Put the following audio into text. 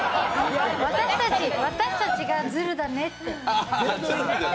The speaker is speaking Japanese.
私たちがズルだねって。